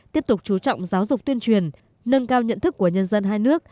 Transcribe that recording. tiếp tục chú trọng giáo dục tuyên truyền nâng cao nhận thức của nhân dân hai nước